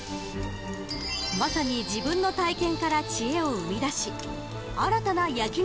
まさに自分の体験から知恵を生み出し新たな焼肉